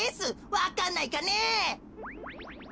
わかんないかねえ。